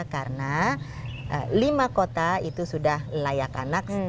karena lima kota itu sudah layak anak